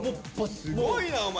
すごいなお前！